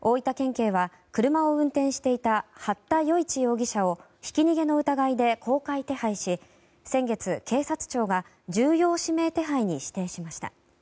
警は、車を運転していた八田與一容疑者をひき逃げの疑いで公開手配し先月、警察庁が重要指名手配に指定しました。